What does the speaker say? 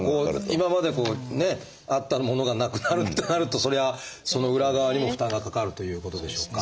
今までこうねあったものがなくなるってなるとそりゃあその裏側にも負担がかかるということでしょうか？